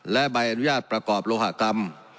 และใบอนุญาตประกอบโลหกรรม